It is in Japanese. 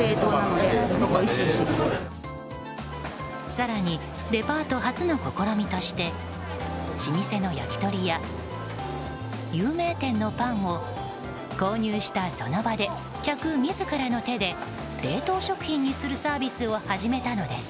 更に、デパート初の試みとして老舗の焼き鳥や、有名店のパンを購入したその場で、客自らの手で冷凍食品にするサービスを始めたのです。